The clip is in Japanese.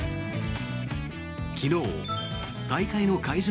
昨日大会の会場